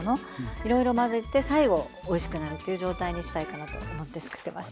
いろいろまぜて最後おいしくなるっていう状態にしたいかなと思ってつくってます。